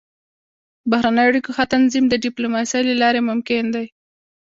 د بهرنیو اړیکو ښه تنظیم د ډيپلوماسۍ له لارې ممکن دی.